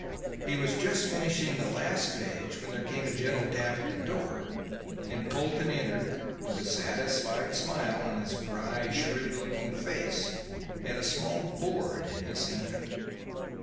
He was just finishing the last page when there came a gentle tap at the door, and Polton entered with a satisfied smile on his dry, shrewd looking face and a small board in his hand.